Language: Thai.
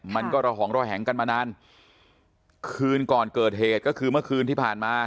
มันก็ระหองระแหงกันมานานคืนก่อนเกิดเหตุก็คือเมื่อคืนที่ผ่านมา